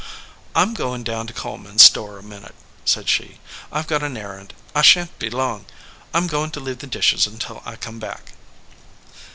"I m going down to Coleman s store a minute," said she. "I ve got an errand. I sha n t be gone long. I m going to leave the dishes until I come back."